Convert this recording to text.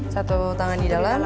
satu tangan di dalam